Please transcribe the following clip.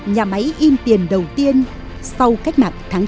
nhà máy in tiền đầu tiên sau cách mạng tháng tám